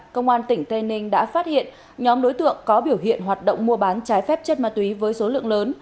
công an tỉnh tây ninh đã phát hiện nhóm đối tượng có biểu hiện hoạt động mua bán trái phép chất ma túy với số lượng lớn